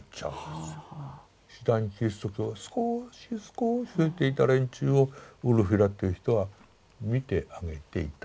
次第にキリスト教が少し少し増えていた連中をウルフィラっていう人は見てあげていた。